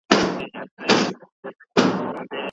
رحمان بابا د خپلو شعرونو له لارې تعلیم ورکولو.